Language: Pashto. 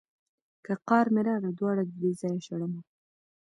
که قار مې راغی دواړه ددې ځايه شړمه.